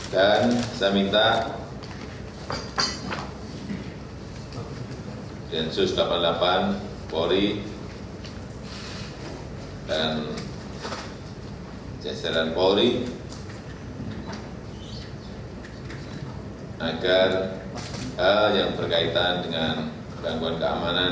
dan saya minta jensus delapan puluh delapan polri dan jaisalan polri agar hal yang berkaitan dengan gangguan keamanan